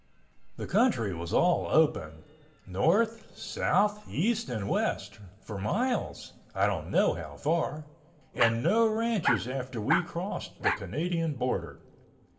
The country was all open—north, south, east and west—for miles (I don't know how far) and no ranches after we crossed the Canadian border.